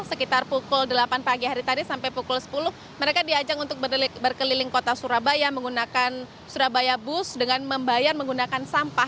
sekitar pukul delapan pagi hari tadi sampai pukul sepuluh mereka diajak untuk berkeliling kota surabaya menggunakan surabaya bus dengan membayar menggunakan sampah